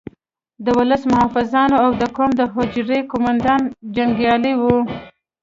د ولس محافظان او د قوم د حجرې قوماندې جنګیالي وو.